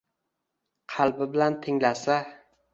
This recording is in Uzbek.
Qalbi bilan tinglasa.